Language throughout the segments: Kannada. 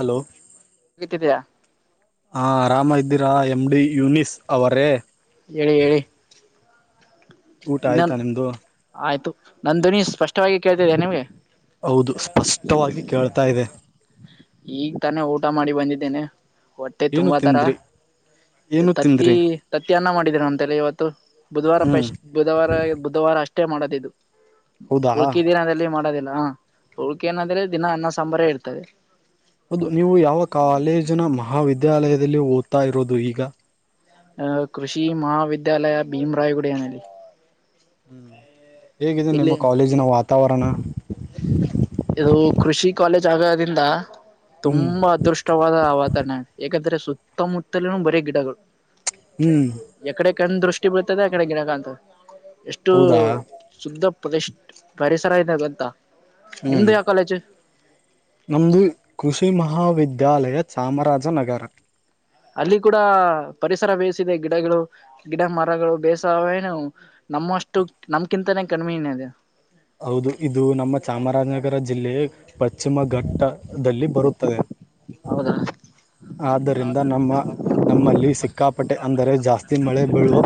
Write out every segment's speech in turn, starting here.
ಹಲೋ [unintelligible] ಹಾ ಆರಾಮ ಇದ್ದೀರಾ ಎಮ್ ಡಿ ಯೂನಿಸ್ ಅವರೇ ಎ ಎ ಊಟ ಆಯ್ತಾ ನಿಮ್ದು ಆಯ್ತು ನನ್ ಧ್ವನಿ ಸ್ಪಷ್ಟವಾಗಿ ಕೇಳ್ತಾ ಇದೆಯಾ ನಿಮ್ಗೆ ಹೌದು ಸ್ಪಷ್ಟವಾಗಿ ಕೇಳ್ತಾ ಇದೆ ಈಗ ತಾನೇ ಊಟ ಮಾಡಿ ಬಂದಿದ್ದೇನೆ ಹೊಟ್ಟೆ ಏನು ತುಂಬಾ ತರ ತಿಂದ್ರಿ ಏನು ತತ್ತಿ ತಿಂದ್ರಿ ತತ್ತಿ ಅನ್ನ ಮಾಡಿದರ ಅಂತೇಳಿ ಇವತ್ತು ಹ್ಮ್ ಬುಧವಾರಫೇಸ್ ಬುಧವಾರ ಬುಧವಾರ ಅಷ್ಟೇ ಮಾಡೋದು ಇದು ಹೌದಾ ಹುಳ್ಕಿ ಹೌದು ದಿನದಲ್ಲಿ ಮಾಡೋದಿಲ್ಲ ಹುಳ್ಕೆ ಏನಾದ್ರೆ ದಿನ ಅನ್ನ ಸಾಂಬಾರ್ ಇರ್ತದೆ ಹೌದು ನೀವು ಯಾವ ಕಾಲೇಜಿನ ಮಹಾವಿದ್ಯಾಲಯದಲ್ಲಿ ಓದ್ತಾ ಇರೋದು ಈಗ ಆ ಕೃಷಿ ಮಹಾಾವಿದ್ಯಾಲಯ ಭೀಮರಾಯ್ಗುಡಿಯನ ಅಲ್ಲಿ ಹ್ಞ ಹೇಗಿದೆ ನಿಮ್ಮ ಇಲ್ಲಿ ಕಾಲೇಜಿನ ವಾತಾವರಣ ಇದು ಕೃಷಿ ಕಾಲೇಜ್ ಆಗೋದಿಂದ ಹ್ಮ್ ತುಂಬಾ ಅದೃಷ್ ಷ್ಟವಾದ ವಾತರಣ ಯಾಕಂದ್ರೆ ಸುತ್ತಮುತ್ತಲ ಬರೀ ಗಿಡಗಳು ಹ್ಮ್ ಎಕಡೆ ಕಣ್ಣ್ ದೃಷ್ಟಿ ಬಿಡ್ತದೆ ಆಕಡ ಗಿಡ ಕಾಣ್ತದೆ ಎಷ್ಟು ಹೌದಾ ಶುದ್ದ ಪ್ರದ್ ಪರಿಸರ ಇದೆ ಗೊತ್ತ ನಿಮ್ದ ಯಾವ ಕಾಲೇಜು ನಮ್ಮದು ಕೃಷಿ ಮಹಾವಿದ್ಯಾಲಯ ಚಾಮರಾಜನಗರ ಅಲ್ಲಿ ಕೂಡ ಪರಿಸರ ಬೇಳಿಯಿಸಿದೆ ಗಿಡಗಳು ಗಿಡ ಮರಗಳು ಬೇಸಾವೇನು ನಮ್ಮಷ್ಟು ನಮಕಿಂತನೇ ಕಣ್ಮೀದೆ ಹೌದು ಇದು ನಮ್ಮ ಚಾಮರಾಜನಗರ ಜಿಲ್ಲೆ ಪಶ್ಚಿಮ ಘಟ್ಟದಲ್ಲಿ ಬರುತ್ತದೆ ಹೌದಾ ಆದ್ದರಿಂದ ನಮ್ಮ ನಮ್ಮಲ್ಲಿ ಸಿಕ್ಕಾಪಟ್ಟೆ ಅಂದರೆ ಜಾಸ್ತಿ ಮಳೆ ಬೀಳುವ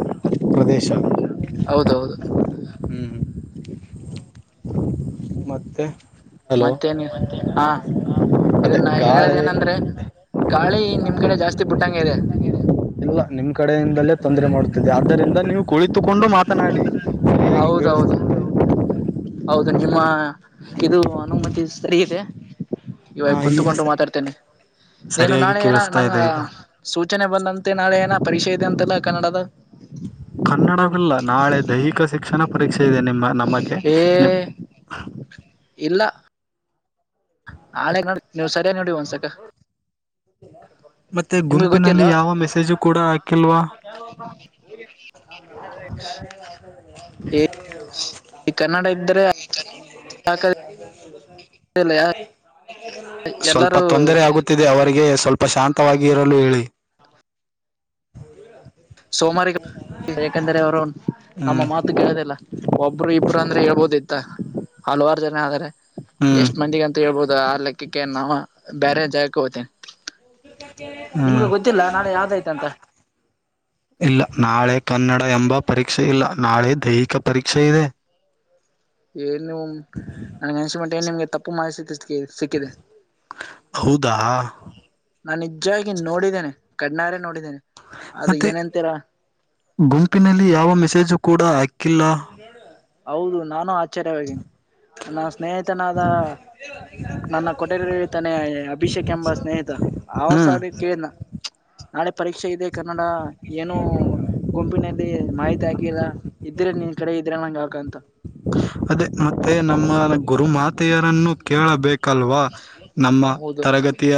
ಪ್ರದೇಶ ಹೌದೌದು ಮತ್ತೆ ಹಲೋ ಮತ್ತೇನಿ ಹಾ ಅದೇ ಇದನ್ನ ನಾ ಗಾಳಿ ಹೇಳದಏನಂದ್ರೆ ಗಾಳಿ ನಿಮ್ ಕಡೆ ಜಾಸ್ತಿ ಬಿುಟ್ಟಂಗ ಇದೆ ಇಲ್ಲ ನಿಮ್ ಕಡೆಯಿಂದಲೇ ತೊಂದ್ರರೆ ಮಾಡುತ್ತಿದ್ದಿದೆ ಆದ್ದರಿಂದ ನೀವು ಕುಳಿತುಕೊಂಡು ಮಾತನಾಡಿ ಸರಿಯಾಗಿ ಕೇಳಿಸ್ತ ಹೌದೌದು ಹೌದು ನಿಮ್ಮ ಇದು ಅನುಮತಿ ಸರಿ ಇದೆ ಇವಾಗ ಹ ಈಗ ಕುಂತುಕೊಂಡು ಮಾತಾಡ್ತೇನೆ ನೀನು ಸರಿಯಾಗಿ ನಾಳೆ ಏನ ಕೇಳಿಸ್ತಾ ನಂಗ ಇದೆ ಈಗ ಸೂಚನೆ ಬಂದಂತೆ ನಾಳೆ ಏನ ಪರೀಕ್ಷೆ ಇದೆ ಅಂತೆಲ್ಲ ಕನ್ನಡದು ಹ ಕನ್ನಡವಿಲ್ಲ ನಾಳೆ ದೈಹಿಕ ಶಿಕ್ಷಣ ಪರೀಕ್ಷೆ ಇದೆ ನಿಮ್ಮ ನಮಗೆ ಏ ನಿ ಇಲ್ಲ ನಾಳೆಗ್ ನೋಡ ನೀವ್ ಸರಿಯ ನೋಡಿ ಒಂದ್ಸಕ ಮತ್ತೆ ನಿಮ್ಗೆ ಗುಂಪಿನಲ್ಲಿ ಯಾವ ಮೆಸೇಜು ಕೂಡ ಹಾಕಿಲ್ವಾ ಯಾರೋ ಪ [unintelligible] ಈ ಕನ್ನಡ ಇದ್ದ್ರೆ [unintelligible] ಸ್ವಲ್ಪ ಎಲ್ಲಾರೂ ತೊಂದರೆ ಆಗುತ್ತೆ ತಿದೆ ಅವರಿಗೆ ಸ್ವಲ್ಪ ಶಾಂತವಾಗಿ ಇರಲು ಹೇಳಿ ಸೋಮಾರಿ ಏಕೆಂದರೆ ಅವರು ನಮ್ಮ ಹ್ಮ್ ಮಾತು ಕೇಳೋದಿಲ್ಲ ಒಬ್ರು ಇಬ್ರು ಅಂದ್ರೆ ಹೇಳ್ಬೋದ ಇತ್ತ ಹಲವಾರು ಜನ ಆದಾರೆ ಹ್ಮ್ ಎಷ್ಟ್ ಮಂದಿಗ ಅಂತ ಹೇಳ್ಬೋದು ಆ ಲೆಕ್ಕಕ್ಕೆ ನಾ ಬೇರೆ ಜಾಗಕ್ಕೆ ಹೋತೆ ಹ್ಮ್ ನಾಳೆ ಯಾವ್ದಾಯ್ತ ಅಂತ ಇಲ್ಲ ನಾಳೆ ಕನ್ನಡ ಎಂಬ ಪರೀಕ್ಷೆ ಇಲ್ಲ ನಾಳೆ ದೈಹಿಕ ಪರೀಕ್ಷೆ ಇದೆ ಏನ್ ನನ್ಗೆ ಅನ್ಸೋ ಮಟ್ಟೆಗೆ ಏನ್ ನಿಮ್ಗೆ ತಪ್ಪು ಮಾಹತಿಕ ಹೌದಾ ನಾನು ನಿಜವಾಗಿ ನೋಡಿದ್ದೇನೆ ಕಣ್ಣಾರೆ ನೋಡಿದ್ದೇನೆ ಅದು ಮತ್ತೆ ಏನಂತೀರಾ ಗುಂಪಿನಲ್ಲಿ ಯಾವ ಮೆಸೇಜು ಕೂಡ ಹಾಕ್ಕಿಲ್ಲ ನೋಡ ಹೌದು ನಾನು ಆಶ್ಚರ್ಯವೇಗಿನಿ ನ ಸ್ನೇಹಿತನಾದ ನನ್ನ ಕೊಟರಿ ಹೇಳ್ತಾನೆ ಅಭಿಷೇಕ್ ಎಂಬ ಸ್ನೇಹಿತ ಆ ಹ್ಮ್ ಸಡು ಕೇಳಿನ ನಾಳೆ ಪರೀಕ್ಷೆ ಇದೆ ಕನ್ನಡ ಏನು ಗುಂಪಿನಲ್ಲಿ ಮಾಹಿತಿ ಹಾಕಿಲ್ಲ ಇದ್ರೆ ನಿನ್ ಕಡೆ ಇದ್ರ ನಂಗ ಆಕ ಅಂತ ಅದೇ ಮತ್ತೆ ನಮ್ಮ ಗುರುಮಾತೆಯರನ್ನು ಕೇಳಬೇಕು ಕಲ್ವ ನಮ್ಮ ಹೌದು ತರಗತಿಯ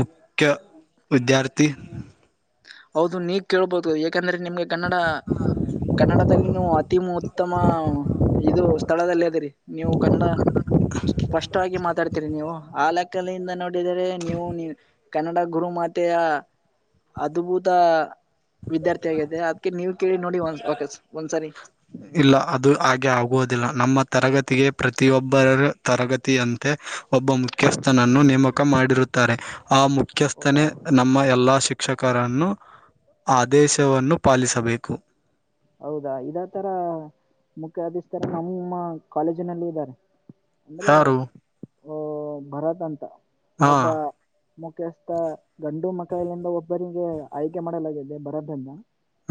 ಮುಖ್ಯ ವಿದ್ಯಾರ್ಥಿ ಹೌದು ನೀಗ ಕೇಳ್ಬಹುದು ಯಾಕಂದ್ರೆ ನಿಮ್ಗೆ ಕನ್ನಡ ಕನ್ನಡದಲ್ಲಿನ ಅತಿ ಮುವತು ಉತ್ತಮ ಇದು ಸ್ಥಳದಲ್ಲಿ ಅದಿರಿ ನೀವು ಕನ್ನಡ ಸ್ಪಷ್ಟವಾಗಿ ಮಾತಾಡ್ತೀರಿ ನೀವು ಆಕ್ಕ ತಲೆ ಇಂದಲೆ ನೋಡಿದರೆ ನೀವು ಕನ್ನಡ ಗುರು ಮಾತೆಯ ಅದ್ಭುತ ತಾ ವಿದ್ಯಾರ್ಥಿ ಆಗಿದೆ ಅದ್ಕ್ಕೆ ನೀವು್ ಕೇಳಿ ನೋಡಿ ಒಂದ ಬಾಕಸ್ ಒಂದ್ಸಾರಿ ಇಲ್ಲ ಅದು ಹಾಗೆ ಆಗುವುದಿಲ್ಲ ನಮ್ಮ ತರಗತಿಗೆ ಪ್ರತಿಯೊಬ್ಬರ ತರಗತಿ ಯಂತೆ ಒಬ್ಬ ಮುಖ್ಯಸ್ಥನನ್ನು ನೇಮಕ ಮಾಡಿರುತ್ತಾರೆ ಆ ಮು ಹೌದಾ ಮುಖ್ಯಸ್ಥನೇ ನಮ್ಮ ಎಲ್ಲ ಶಿಕ್ಷಕರನ್ನು ಆದೇಶವನ್ನು ಪಾಲಿಸಬೇಕು ಹೌದಾ ಇದ ತರ ಮುಖ್ಯ ಅಧಿಸ್ತಾರೆ ನಮ್ಮ ಕಾಲೇಜಿನಲ್ಲಿ ಇದ್ದಾರೆ ಅಂದ್ರೆ ಯಾರು ಓ ಭರತ್ ಅಂತ ಹಾ ಒಬ್ಬ ಮುಖ್ಯಸ್ಥ ಗಂಡು ಮಕ್ಕಳಲ್ಲಿದ ಒಬ್ಬರಿಗೆ ಆಯ್ಕೆ ಮಾಡಲಾಗಿದೆ ಬರದಂದ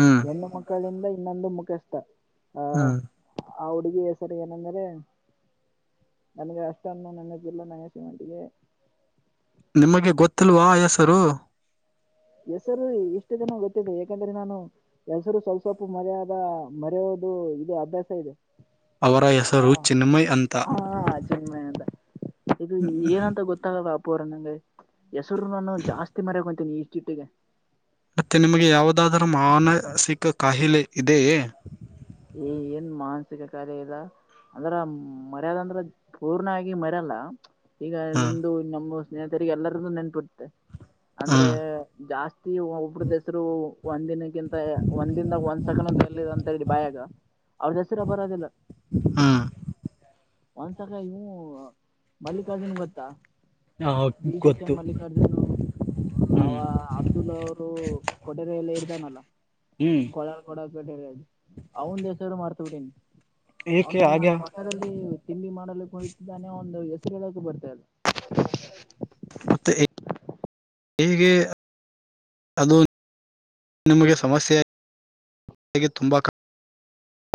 ಹ್ಮ್ ಹೆಣ್ಣು ಮಕ್ಕಳಿಂದ ಇನ್ನೊಂದು ಮುಖ್ಯಸ್ಥ ಆ ಹ್ಮ್ ಆ ಹುಡ್ಗಿ ಹೆಸರ್ ಏನಂದ್ರೆ ನನ್ಗೆ ಅಷ್ಟ ಅನ್ನು ನನ್ನ ಪಿಲ್ಲ ನನ ಸಿಮಂಟ್ಿಗೆ ನಿಮಗೆ ಗೊತ್ತಿಲ್ವಾ ಹೆಸರು ಹೆಸರು ಇಷ್ಟು ಜನ ಗೊತ್ತಿದೆ ಯಾಕಂದ್ರೆ ನಾನು ಹೆಸರು ಸ್ವಲ್ಪ ಸ್ವಲ್ಪ ಮರೆಯಾದ ಮರೆಯೋದು ಇದು ಅಭ್ಯಾಸ ಇದೆ ಅವರ ಹಾ ಹೆಸರು ಚಿನ್ಮಯ್ ಅಂತ ಹಾ ಚಿನ್ಮಯ ತ್ತಗಲ್ಲ ಅಪ್ಪುರ ನಂಗೆ ಹೆಸರು ನಾನು ಜಾಸ್ತಿ ಮರಾಗೊಂತೀನಿ ಈ ಚಿತಿಗೆ ಮತ್ತೆ ನಿಮಗೆ ಯಾವದಾದರೂ ಮಾನಸಿಕ ಕಾಯಿಲೆ ಇದೆಯೇ ಏ ಏನ್ ಮಾನಸಿಕ ಕಾರ್ಯ ಇಲ್ಲ. ಅಂದ್ರ ಮರ್ಯದ ಅಂದ್ರ ಪೂರ್ಣ ಆಗಿ ಮರ್ಯಲ್ಲ. ಈಗ ಹ್ಮ ನಿಮ್ದು ನಮ್ಮ ಸ್ನೇಹಿತರಿಗೆ ಎಲ್ಲರ್ದು [unintelligible] ಅಂದ್ರೆ ಹ್ಮ್ ಜಾಸ್ತಿ ಒಬ್ರ ದಸರು ಒಂದಿನಕ್ಕಿಂತ ಒಂದಿನದಾಗ ಒಂದ ಸಕಣಲ್ಲಿ ಅಂತ ಹೇಳಿ ಬಾಯಾಗ ಅವ್ರ ಹೆಸರು ಬರೋದಿಲ್ಲ. ಹಾ ಒಂದ್ಸಕ ಇವು ಮಲ್ಲಿಕಾರ್ಜುನ್ ಗೊತ್ತಾ. ಹಾ ಬಿ ಗೊತ್ತು. ಸೆಕ್ಷನ್ ಮಲ್ಲಿಕಾರ್ಜುನ್ ಅವ ಹ್ಮ್ ಅಬ್ದುಲ್ಲಾ ಅವರು ಕೊಟರೆ ಎಲ್ಲ ಇರ್ತಾನಲ್ಲ ಹ್ಮ್ ಕೋಲಾರ್ ಕೊಡೇಟ ಅವನ್ ದಸರು ಮಾಡ್ತ ಬಿಟ್ಟನ್ ಅವನ ಏಕೆ ನನ್ನ ಹಾಗೆ ಪಕ್ಕದಲ್ಲಿ. ತಿಂಡಿ ಮಾಡಲುಕ್ಕೆ ಕುತಿದ್ದಾನೆ ಒಂದು ಹೆಸರುಡಕ ಬರ್ತೆ ಅದು. ಮತ್ತುತ್ತೆ. ಹೇಗೆ ಅದು ನಿಮಗೆ ಸಮಸ್ಯೆ. ತುಂಬಾ ಕಷ್ಟ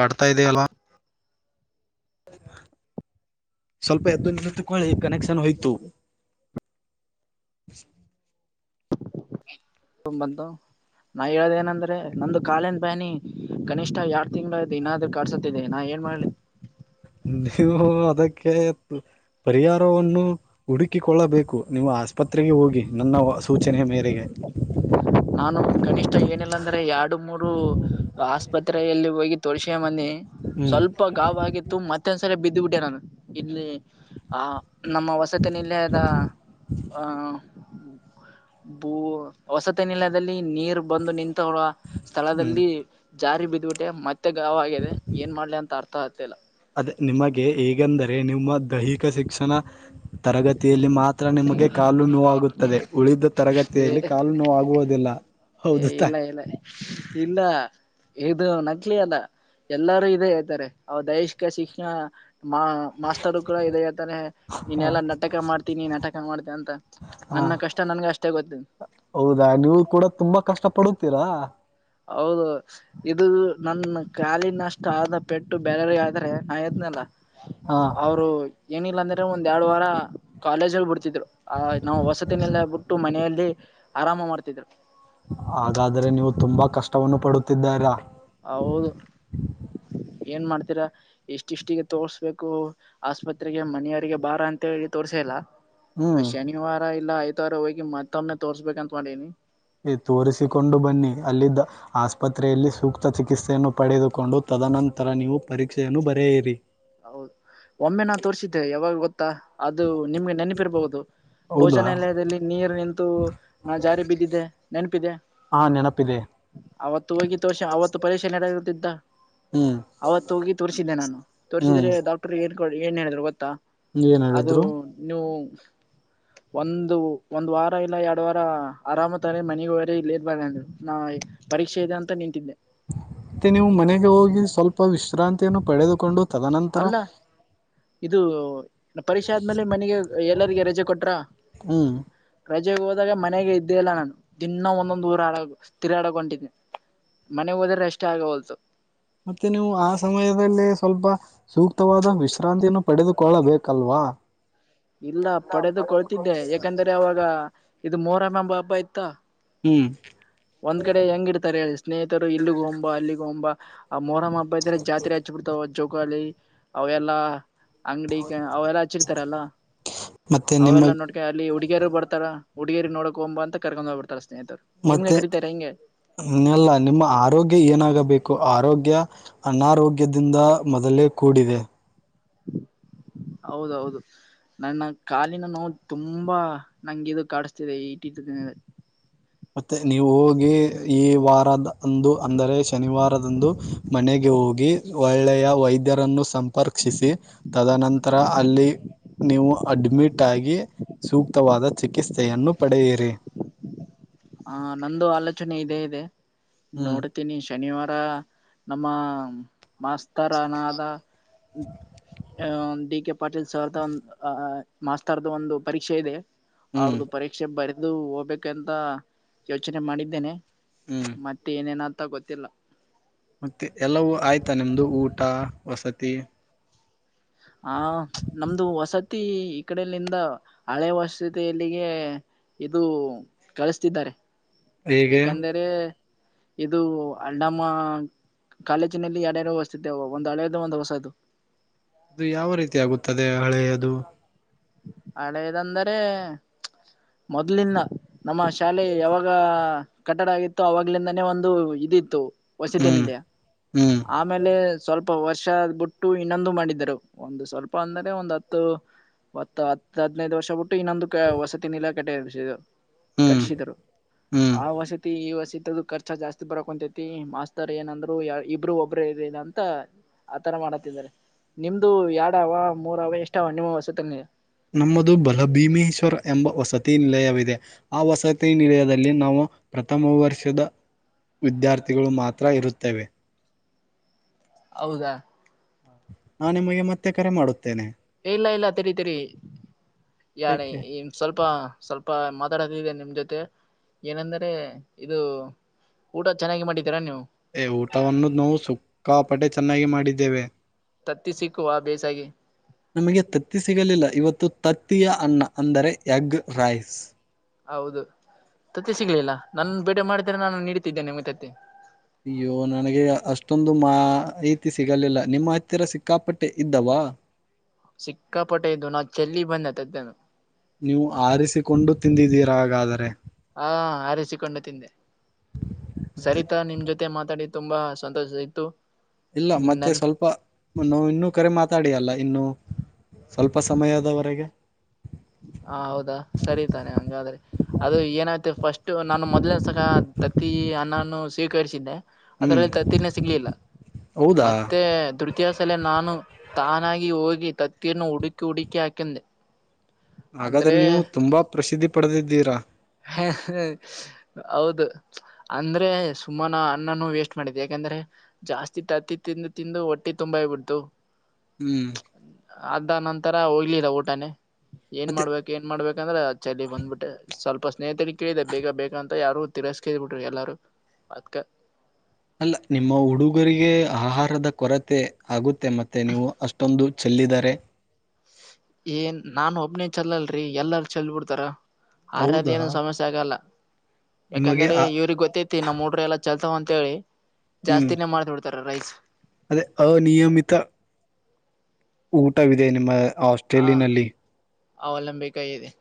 ಕಡ್ತಾ ಇದ ಅಲ್. ಸ್ವಲ್ಪ ಎದ್ದು ನಿಮಿಷ ತಕೊಳ್ಳಿ ಕನೆಕ್ಷನ್ ಹೋಯ್ತು. ತ ಬಂತ. ನಾವ ಹೇಳದಏನಂದ್ರೆ ನಂದು ಕಾಲಿನ ಬ್ಯಾನಿ ಕನಿಷ್ಠ ಯಾರ್ಡ್ ತಿಂಗಳ ಅದು ಇನಾದ್ ಕಾರ್ಸ ನಾ ಏನ್ ಮಾಡ್ಲಿ. ನೀವು ಅದಕ್ಕೆ ಪರಿಹಾರವನ್ನು. ಹುಡುಕಿಕೊಳ್ಳಬೇಕು ನೀವು ಆಸ್ಪತ್ರೆಗೆ ಹೋಗಿ ನನ್ನ ಸೂಚನೆ ಮೇರೆಗೆ. ನಾನು ಕನಿಷ್ಠ ಏನಿಲ್ಲಾಂದ್ರೆ ಎರಡು ಮೂರು. ಆಸ್ಪತ್ರೆಯಲ್ಲಿ ಹೋಗಿ ತೋರಿಸಿಕೊಂಡು ಬಂದೀನಿ. ಹ್ಮ್ ಸ್ವಲ್ಪ ಗಾಬಗತ್ತು ಮತ್ತೆೊಂದ್ಸರಿ ಬಿದ್ದುಬಿಟ್ಟೆ ನಾನು ಇಲ್ಲಿ ಆ ನಮ್ಮ ವಸತಿ ನಿಲಯದ ಆ ಭೂ ವಸತಿ ನಿಲದಲ್ಲಿ ನೀರ್ ಬಂದು ನಿಂತ ಹರ ಸ್ಥಳದಲ್ಲಿ. ಜಾರಿ ಬಿದ್ಬಿಟ್ಟೆ ಮತ್ತೆ ಗಾವ ಆಗಿದೆ ಏನ್ ಮಾಡ್ಲಿ ಅಂತ ಅರ್ಥ ಆಗ್ತಿಲ್ಲ. ಅದ ನಿಮಗೆ ಹೇಗೆಂದರೆ ನಿಮ್ಮ ದೈಹಿಕ ಶಿಕ್ಷಣ ತರಗತಿಯಲ್ಲಿ ಮಾ ಹತ್ರ ನಿಮಗೆ ಕಾಲು ನೋವಾಗುತ್ತದೆ ಉಳಿದ ತರಗತಿಯಲ್ಲಿ ಆಗ್ತಿಲ್ಲ. ಕಾಲು ನೋವಾಗುವುದಿಲ್ಲ. ಹೌದು ತಾ ಇನ್ನ ಎದು ನಕ್ಲಿಯನ್ನ. ಎಲ್ಲಾರೂ ಇದೇ ಹೇಳ್ತಾರೆ ಅವ ದೈಹಿಕ ಶಿಕ್ಷಣ ಮಾ ಮಾಸ್ತರು ಕೂಡ ಇದದೆ ಹಳ್ತಾನೆ ಹಾ ನೀನೆೆಲ್ಲಾ ನಟಕ ಮಾಡ್ತೀನಿ ನಟ ಮಾಡ್ತೇ ಅಂತ ಹಾ ನನ್ನ ಕಷ್ಟ ನನ್ಗೆ ಅಷ್ಟೇ ಗೊತ್ತು. ಹೌದಾ ನೀವು ಕೂಡ ತುಂಬಾ ಕಷ್ಟ ಪಡುತ್ತೀರಾ. ಹೌದು ಇದು ನನ್ನ ಕಾಲಿನಷ್ಟು ಆದ ಪೆಟ್ಟು ಬರೆಯವಿಗೆ ಆದ್ರೆ ನಾ ಎದ್ನಲ್ಲ. ಹಾ ಅವರು ಏನಿಲ್ಲ ಅಂದ್ರೆ ಒಂದ್ ಎರಡು ವಾರ ಕಾಲೇಜ್ ಬಿಡ್ತಿದ್ರು. ಆ ನಾವು ವಸತಿನೆಲ್ಲ ಬಿಟ್ಟು ಮನೆಯಲ್ಲಿ ಆರಾಮ ಮಾಡ್ತಿದ್ರು. ಹಾಗಾದ್ರೆ ನೀವು ತುಂಬಾ ಕಷ್ಟವನ್ನು ಪಡುತ್ತಿದ್ದಾರಾ ಹೌದು [unintelligible] ಏನ್ ಮಾಡ್ತೀರಾ. ಎಷ್ಟಿಷ್ಟಿಗೆ ತೋರ್ಸ್ಬೇಕು ಆಸ್ಪತ್ರೆಗೆ ಮನೆಯವರಿಗೆ ಬಾರ ಅಂತ ಹೇಳಿ ತೋರ್ಸಲ್ಲ. ಹ್ಮ್ ಶನಿವಾರ ಇಲ್ಲ ಐತ್ ವಾರ ಹೋಗಿ ಮತ್ತೊಮ್ಮ್ನೆ ತೋರಿಸಬೇಕ್ ಅನ್ಕೊಂಡೀನಿ. ನೀವು ತೋರಿಸಿಕೊಂಡು ಬನ್ನಿ ಅಲ್ಲಿದ್ದ ಆಸ್ಪತ್ರೆಯಲ್ಲಿ ಸೂಕ್ತ ಚಿಕಿತ್ಸೆಯನ್ನು ಪಡೆದುಕೊಂಡು ತದನಂತರ ನೀವು ಪರೀಕ್ಷೆಯನ್ನು ಬರೆಯಿರಿ. ಹೌದ ಒಮ್ಮೆ ನಾ ತೋರ್ಸಿದ್ದೆ ಯಾವಾಗ ಗೊತ್ತಾ ಅದು ನಿಮ್ಗೆ ನೆನಪಿರ್ಬಹುದು. ಹೌದಾ ಭೋಜನಾಲಯದಲ್ಲಿ ನೀರು ನಿಂತು ನಾ ಜಾರಿ ಬಿದ್ದಿದ್ದೆ ನೆನಪಿದಿಯಾ. ಹಾ ನೆನಪಿದೆ ಅವತ್ತು ಹೋಗಿ ತೋರ್ಸ ಅವತ್ತು ಪರೀಕ್ಷೆ ನಡೆುಯುತ್ತಿತ್ತ ಹ್ಮ್ ಅವತ್ತು ಹೋಗಿ ತೋರಿಸಿದ್ದೆ ನಾನು ಹ್ಮ್ ತೋರಿಸಿದ್ರೆ ಡಾಕ್ಟರ್ ಏನ್ ಕೋಡ್ ಏನ್ ಹೇಳಿದ್ರು ಗೊತ್ತಾ ಏನ್ ಅದು ಹೇಳಿದ್ರು ನೀವು [inaudible] ಒಂದು ಒಂದ ವಾರ ಇಲ್ಲ ಯಾಡ್ ವಾರ ಅರಾಮ ತಾನೆ ಮನಿಗ ಹೋರಿ ಇಲ್ಲಿ ಇರ್ಬಾಡರಿ ಅಂದ್ರು ನಾ ಪರೀಕ್ಷೆ ಇದೆ ಅಂತ ನಿಂತಿದ್ನ ಮತ್ತೆ ನೀವು ಮನೆಗೆ ಹೋಗಿ ಸ್ವಲ್ಪ ವಿಶ್ರಾಂತಿಯನ್ನು ಪಡೆದುಕೊಂಡು ತದನಂತರ ಅಲ್ಲ ಇದು ಪರಿಕ್ಷೆ ಆದ್ಮೇಲೆ ಮನೆಗೆ ಎಲ್ಲರಿಗೆ ರಜೆ ಕೊಟ್ರಾ ಹ್ಮ್ ರಜೆಗೆ ಹೋದಾಗ ಮನೆಗೆ ಇದ್ದೇ ಇಲ್ಲ ನಾನು ದಿನ್ನಾ ಒಂದೊಂದ್ ಊರ ಆಡ ತಿರಗಾಡಾಕ ಹೊಂಟೀದ್ನಿ ಮನೆಗ್ ಹೋದ್ರೆ ರೆಸ್ಟ್ ಆಗವಲ್ತು. ಮತ್ತೆ ನೀವು ಆ ಸಮಯದಲ್ಲಿ ಸ್ವಲ್ಪ ಸೂಕ್ತವಾದ ವಿಶ್ರಾಂತಿಯನ್ನು ಪಡೆದುಕೊಳ್ಳಬೇಕಲ್ವಾ. ಇಲ್ಲಾ ಪಡೆದು ಕೊಳ್ತಿದ್ದೆ ಯಾಕಂದ್ರೆ ಅವಾಗ ಇದು ಮೊಹರಂ ಅಂಬ ಹಬ್ಬ ಇತ್ತ ಹ್ಮ್ ಒಂದ್ ಕಡೆ ಹೆಂಗ ಇಡ್ತಾರೆ ಹೇಳಿ ಸ್ನೇಹಿತರು ಇಲ್ಲಿಗೊಮು ಬಾ ಅಲ್ಲಿಗೊಮು ಆ ಮೋರಮ್ಮ ಹಬ್ಬ ಇದ್ರೆ ಜಾತ್ರೆ ಹಚ್ಚ ಬಿಡ್ತ ತು ಜೋಕಾಲಿ ಅವೆಲ್ಲಾ ಅಂಗಡಿಕೆ ಅವೆಲ್ಲಾ ಹಚ್ಚಿರ್ತಾರಲ್ಲ ಮತ್ತೆ ನಿಮ್ಮ ಅವೆಲ್ಲ ನೋಡ್ಕ ಅಲ್ಲಿ ಹುಡಿಗ್ಯಾರು ಬರ್ತಾರ ಹುಡುಗ್ಯಾರಿಗೆ ನೋಡಕೊಗುಮು ಬಾ ಅಂತ ಕರ್ಕೊಂಡ ಹೋಗ್ಬಿಡ್ತಾರಡ ಸ್ನೇಹಿತರು. ನಿಮ್ಗೆ ಮತ್ತೆ ಕಡಿತಾರೆ ಹಿಂಗೆ ಏನಿಲ್ಲ ನಿಮ್ಮ ಆರೋಗ್ಯ ಏನಾಗಬೇಕು ಆರೋಗ್ಯ ಅನಾರೋಗ್ಯದಿಂದ ಮೊದಲೇ ಕೂಡಿದೆ ಹೌದೌದು. ನನ್ನ ಕಾಲಿನ ನೋವು ತುಂಬಾ ನಂಗೆ ಇದು ಕಾಡಸ್ತಿದೆ ಇಟಿಟ ದಿನಗಳಲ್ಲಿ. ಮತ್ತೆ ನೀವು ಹೋಗಿ ಈ ವಾರದ ಅಂದು ಅಂದರೆ ಶನಿವಾರದಂದು ಮನೆಗೆ ಹೋಗಿ ಒಳ್ಳೆಯ ವೈದ್ ದ್ಯರನ್ನು ಸಂಪರ್ಕ್ಷಿಸಿ ತದನಂತರ ಅಲ್ಲಿ ನೀವು ಅಡ್ಮಿಟ್ ಆಗಿ ಸೂಕ್ತವಾದ ಚಿಕಿಸ್ತೇಯನ್ನು ಪಡೆಯಿರಿ. ಹ ನಂದು ಆಲೋಚನೆ ಇದೆ ಇದೆ ಹ್ಮ್ ನೋಡ ತ್ತೀನಿ ಶನಿವಾರ ನಮ್ಮ ಮಾಸ್ತರನಾದ ಅ ಡಿಕೆಪಾಟೀಲ್ ಸರ್ದಂದ ಅ ಮಾಸ್ತರ್ದ ಒಂದು ಪರೀಕ್ಷೆ ಇದೆ ಹ್ಮ್ ಅವ್ರ್ದು ಪರೀಕ್ಷೆ ಬರೆದು ಹೋಗ್ಬೇಕಂತ ಯೋಚನೆ ಮಾಡಿದ್ದೇನೆ ಹ್ಮ್ ಮತ್ತೆ ಏನೇನ ಅಂತ ಗೊತ್ತಿಲ್ಲ. ಮತ್ತೆ ಎಲ್ಲವೂ ಆಯ್ತಾ ನಿಮ್ದು ಊಟಾ ವಸತಿ ಹಾ ನಮ್ದು ವಸತಿ ಈಕಡೆಲಿಂದ ಹಳೆ ವಸತಿ ಅಲ್ಲಿಗೆ ಇದು ಕಳಸ್ತಿದ್ದಾರೆ. ಹೇಗೆ ಏಕಂದರೆ ಇದು ನಮ್ಮ ಕಾಲೇಜಿನಲ್ಲಿ ಎರಡ್ಯರಡು ವಸತಿ ಅದಾವ ಒಂದು ಹಳೇದು ಒಂದು ಹೊಸದು. ಅದು ಯಾವ ರೀತಿ ಆಗುತ್ತದೆ ಹಳೆಯದು. ಹಳೆದಂದರೆ ಪ್ಚ್ ಮೊದ್ಲಿಂದ ನಮ್ಮ ಶಾಲೆ ಯಾವಾಗ ಕಟ್ಟಡ ಆಗಿತ್ತು ಅವಾಗ್ಲಿಂದಾನೇ ಒಂದು ಇದಿತ್ತು ವಸತಿ ಹ್ಮ್ ನಿಲಯಾ ಹ್ಮ್ ಆಮೇಲೆ ಸ್ವಲ್ಪ ವರ್ಷ ಬಿಟ್ಟ ಟ್ಟು ಇನ್ನೊಂದು ಮಾಡಿದ್ದರು ಒಂದು ಸ್ವಲ್ಪ ಅಂದರೆ ಒಂದ ಹತ್ತು ತ್ತ್ ಹತ್ತ ಹದನೈದ ವರ್ಷ ಬಿಟ್ಟು ಇನ್ನೊಂದು ಅ ವಸತಿ ನಿಲಯ ಕಟ್ಟಿ ಎಬಿಸಿದೇವ್. ಹ್ಮ್ ಕಟ್ಟಿಸಿದರು ಹ್ಮ್ ಆ ವಸತಿ ಈ ವಸತಿ ಖರ್ಚು ಜಾಸ್ತಿ. ಬರಕೊಂತೈತಿ ಮಾಸ್ತರ್ ಏನಂದ್ರು ಯ ಇಬ್ರು ಒಬ್ರೆ ಇರ್ರಿ ಅಂತ. ಆತರ ಮಾಡತ್ತಿದ್ದಾರೆ ನಿಮ್ದು ಎರಡ್ ಅವ ಮೂರ್ ಅವ್ರು ಇಷ್ಟ ಅನ್ನು ಹೊಸುತಂಗೆ. ನಮ್ಮದು ಬಲಭೀಮೇಶ್ವರ ಎಂಬ ವಸತಿ ನಿಲಯವಿದೆ. ಆ ವಸತಿ ನಿಲಯದಲ್ಲಿ ನಾವು ಪ್ರಥಮ ವರ್ಷದ ವಿದ್ಯಾರ್ಥಿಗಳು ಮಾತ್ರ ಇರುತ್ತವೆ. ಹೌದಾ ನಾನು ನಿಮಗೆ ಮತ್ತೆ ಕರೆ ಮಾಡುತ್ತೇನೆ. ಇಲ್ಲ ಇಲ್ಲ ತಿರಿ ತಿರಿ ಯಾಣಿ. ಯಾಕೆ ಸ್ವಲ್ಪ ಸ್ವಲ್ಪ ಮಾತಾಡದು ಇದೆ ನಿಮ್ಮ ಜೊತೆ ಏನೆಂದರೆ ಇದು. ಊಟ ಚೆನ್ನಾಗಿ ಮಾಡಿದ್ದೀರಾ ನೀವು. ಊಟವನ್ನು ನಾವು ಸಿಕ್ಕಾಪಟ್ಟೆ ಚೆನ್ನಾಗಿ ಮಾಡಿದ್ದೇವೆ. ತತ್ತಿ ಸಿಕ್ಕುವ ಬೇಸಾಗಿ. ನಿಮಗೆ ತತ್ತಿ ಸಿಗಲಿಲ್ಲ ಇವತ್ತು ತತ್ತಿಯ ಅನ್ನ ಅಂದರೆ ಎಗ್ ರೈಸ್. ಹೌದು ತತ್ತಿ ಸಿಗ್ಲಿಲ್ಲ ನನ್ನು ಬೇಟೆ ಮಾಡ್ತಿರ ನಾನು ನೀಡುತ್ತಿದ್ದೇನೆ ನಿಮ್ಗೆ ತತ್ತಿ. ಅಯ್ಯೋ ನನಗೆ ಅಷ್ಟೊಂದು ಮಾಹಿತಿ ಸಿಗಲಿಲ್ಲ ನಿಮ್ಮ ಹತ್ತಿರ ಸಿಕ್ಕಾಪಟ್ಟೆ ಇದ್ದವಾ. ಸಿಕ್ಕಾಪಟ್ಟೆ ಇದ್ದುನಾ ಚೆಲ್ಲಿ ಬಂದೇತತ್ತಿನಾ. ನೀವು ಆರಿಸಿಕೊಂಡು ತಿಂದಿದ್ದೀರ ಹಾಗಾದ್ರೆ. ಹಾ ಅರಿಸಿಕೊಂಡು ತಿಂದೆ. ಮತ್ತೆ ಸರಿತಾ ನಿಮ್ ಜೊತೆ ಮಾತಾಡಿ ತುಂಬಾ ಸಂತೋಷ ಇತ್ತು. ಇಲ್ಲ ಮತ್ತೆ ನನ್ ಸ್ವಲ್ಪ ನಾ ಇನ್ನೂ ಕರೆ ಮಾತಾಡಿಯಲ್ಲ ಇನ್ನು. ಸ್ವಲ್ಪ ಸಮಯದವರೆಗೆ. ಹ ಹೌದಾ ಸರಿ ತಾನೆ ಹಂಗಾದ್ರೆ. ಅದು ಏನಾಯಿತು ಫಸ್ಟ್ ನಾನು ಮೊದ್ಲೇ ಸಲ ತತ್ತಿ ಅನ್ನ ನೂ ಸ್ವೀಕರಿಸಿದ್ದೆ. ಹ್ಮ್ ಅದರಲ್ಲಿ ತತ್ತಿನೂ ಸಿಗ್ಲಿಲ್ಲ ಹೌದಾ ಮತ್ತೆ ದೖ ಕೆಲವು ಸಲ ನಾನು ತಾನಾಗಿ ಹೋಗಿ ತತ್ತಿಯನ್ನು ಹುಡುಕಿ ಹುಡುಕಿ ಹಾಕೆಂದೆ. ಮಗದನ್ನು ತುಂಬಾ ಪ್ರಸಿದ್ಧಿ ಪಡೆದಿದ್ದೀರಾ. ಹ್ಮ್ [unintelligible] ಹೌದು ಅಂದ್ರೆ ಸುಮ್ಮನ ಅನ್ನನೂ ವೇಸ್ಟ್ ಮಾಡಿದ್ದೆ ಏಕೆಂದರೆ. ಜಾಸ್ತಿ ತತ್ತಿ ತಿಂದು ತಿಂದು ಹೊಟ್ಟೆ ತುಂಬೊಗ್ಬಿಡ್ತು. ಹ್ಮ್ ಅಡ್ಡ ನಂತರ ಹೋಗಿರೆ ಊಟನೇ ಏನ್ ಮತ್ತೆ ಮಾಡ್ಬೇಕು ಏನ್ ಮಾಡ್ಬೇಕಂದ್ರೆ ಚಡ್ಡಿ ಬಂದ್ಬಿಟ್ಟೆ ಸ್ವ ಫಸ್ಟ್ ಸ್ನೇಹಿತರಿಗೆ ಕೇಳಿದೆ ಬೇಗ ಬೇಕ ಅಂತ ಯಾರು ತಿರಸ್ಕ್ ಬಿಟ್ರೆ ಎಲ್ಲಾರೂ ಅದಕ್ಕೆ. ಇಲ್ಲ ನಿಮ್ಮ ಹುಡುಗರಿಗೆ ಆಹಾರದ ಕೊರತೆ ಆಗುತ್ತೆ ಮತ್ತೆ ನೀವು ಅಷ್ಟೊಂದು ಚೆಲ್ಲಿದ್ದರೆ. ಏ ನಾನ್ ಒಬ್ನೇ ಚೆಲಲ್ರರಿ ಎಲ್ಲಾರು ಚೆಲ್ ಬಿಡ್ತಾರ ಆರೋಗ್ಯ ಹೌದಾ ನ ಸಮಸ್ಯೆ. ತಗಲ್ಲ ನಿಮಗೆ ಯಾಕಂದ್ರೆ ಆ ಇವ್ರುಗ್ ಗೊತ್ತಿತ್ತು ನಮ್ಮ್ ಮೊಟ್ರು ಎಲ್ಲ ಚಲ್ತಾನೆ ಅಂತ ಹೇಳಿ. ಜಾಸ್ತಿನೇ ಮಾಡ್ತಿರ್ತಾರೆ ರೈಸ್. ಹೋ ಅನಿಯಮಿತ. ಊಟವಿದೆ ನಿಮ್ಮ ಅ ಹ ಅವಲಂಬಿಕಾಯಿ.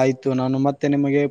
ಆಯ್ತು ನಾನು ಮತ್ತೆ ನಿಮಗೆ.